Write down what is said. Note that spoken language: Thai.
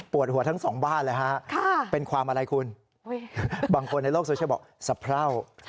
ปวดหัวทั้งสองบ้านเลยฮะ